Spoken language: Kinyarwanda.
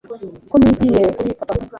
ko nigiye kuri papa